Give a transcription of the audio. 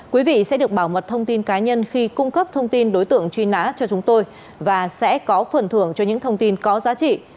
quý vị sẽ được bảo mật thông tin cá nhân khi cung cấp thông tin đối tượng truy nã cho chúng tôi và sẽ có phần thưởng cho những thông tin có giá trị